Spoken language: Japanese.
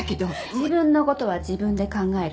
自分の事は自分で考える。